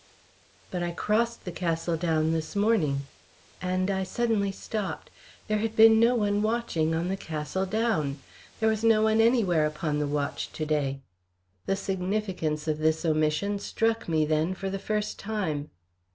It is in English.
"But I crossed the Castle Down this morning " and I suddenly stopped. There had been no one watching on the Castle Down. There was no one anywhere upon the watch to day. The significance of this omission struck me then for the first time.